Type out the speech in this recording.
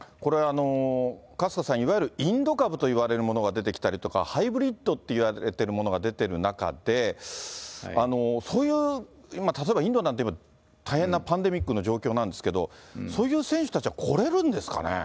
春日さん、いわゆるインド株といわれるものが出てきたりとか、ハイブリッドといわれてるものが出ている中で、そういう、例えば、インドなんて今、大変なパンデミックの状況なんですけど、そういう選手たちは来れるんですかね。